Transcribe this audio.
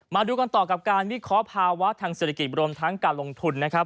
มาดูกันต่อกับการวิเคราะห์ภาวะทางเศรษฐกิจรวมทั้งการลงทุนนะครับ